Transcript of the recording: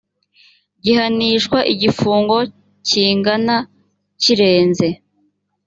gihanishwa igifungo kingana kirenze